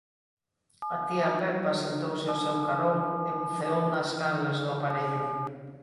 A tía Pepa sentouse ó seu carón e buceou nas canles do aparello.